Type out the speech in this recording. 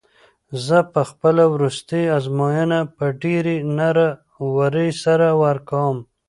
زه به خپله وروستۍ ازموینه په ډېرې نره ورۍ سره ورکوم.